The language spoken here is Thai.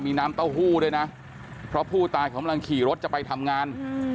มีน้ำเต้าหู้ด้วยนะเพราะผู้ตายกำลังขี่รถจะไปทำงาน